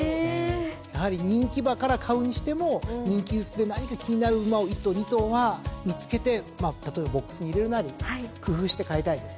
やはり人気馬から買うにしても人気薄で何か気になる馬を１頭２頭は見つけてボックスに入れるなり工夫して買いたいですね。